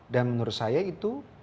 dan menurut saya itu